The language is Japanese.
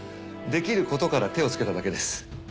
できることから手をつけただけです。